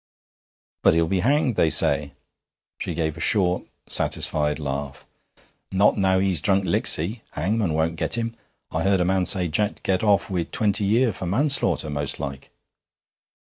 'But he'll be hanged, they say.' She gave a short, satisfied laugh. 'Not now he's drunk Licksy hangman won't get him. I heard a man say Jack 'd get off wi' twenty year for manslaughter, most like.'